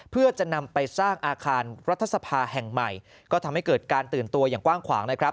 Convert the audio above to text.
เพื่อจะนำไปสร้างอาคารรัฐสภาแห่งใหม่ก็ทำให้เกิดการตื่นตัวอย่างกว้างขวางนะครับ